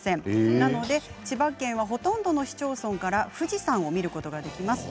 なので千葉県はほとんどの市町村から富士山を見ることができます。